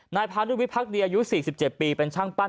พานุวิพักดีอายุ๔๗ปีเป็นช่างปั้น